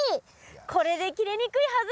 これで切れにくいはず！